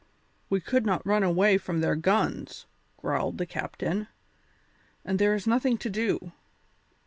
"We could not run away from their guns," growled the captain, "and there is nothing to do.